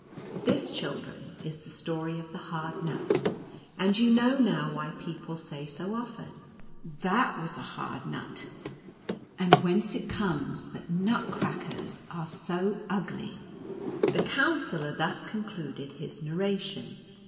This, children, is the story of the Hard Nut ; and you know now why people say so often, " That was a hard nut !" and whence it comes that Nutcrackers are so ugly. The Counsellor thus concluded his narration.